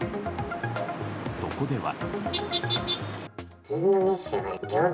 そこでは。